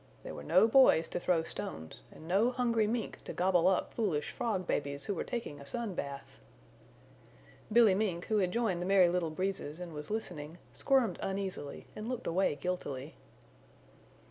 There were no boys to throw stones and no hungry Mink to gobble up foolish Frog babies who were taking a sun bath!" Billy Mink, who had joined the Merry Little Breezes and was listening, squirmed uneasily and looked away guiltily.